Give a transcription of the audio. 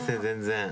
全然。